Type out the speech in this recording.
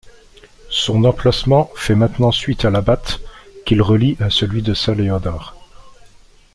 Son emplacement fait maintenant suite à la Batte qu'il relie à celui de Saint-Léonard.